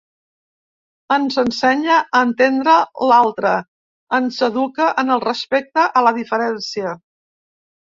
Ens ensenya a entendre l’altre, ens educa en el respecte a la diferència.